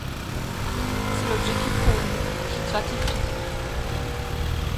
C'est l'objet qui comble, qui gratifie.